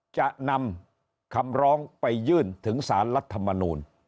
จะนำคำร้องไปยื่นถึงสารรัฐมนูล